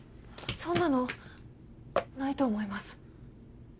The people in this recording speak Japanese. そんなのないと思います